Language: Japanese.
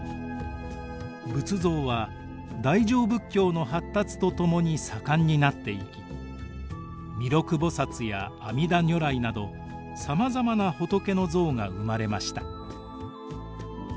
仏像は大乗仏教の発達とともに盛んになっていき弥勒菩や阿弥陀如来などさまざまな仏の像が生まれました。